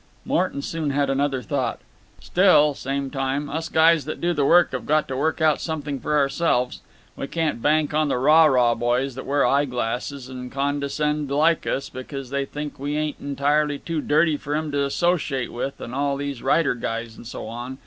"Huh! huh!" Morton soon had another thought. "Still, same time, us guys that do the work have got to work out something for ourselves. We can't bank on the rah rah boys that wear eye glasses and condescend to like us, cause they think we ain't entirely too dirty for 'em to associate with, and all these writer guys and so on.